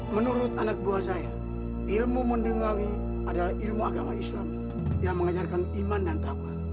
menurut anak buah saya ilmu mendungangi adalah ilmu agama islam yang mengajarkan iman dan taman